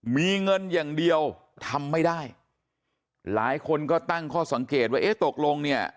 มีเงินอย่างเดียวทำไม่ได้หลายคนก็ตั้งข้อสังเกตว่าเอ๊ะตกลงเนี่ย